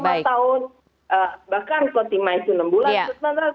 elang lima tahun bahkan ke timai sepuluh bulan